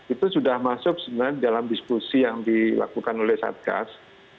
itu sudah masuk sebenarnya dalam diskusi yang dilakukan oleh satgas